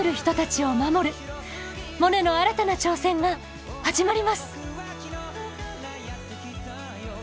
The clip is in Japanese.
モネの新たな挑戦が始まります！